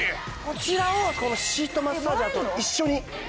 こちらをこのシートマッサージャーと一緒に。